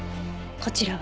こちらは？